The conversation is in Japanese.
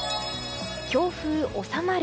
強風、収まる。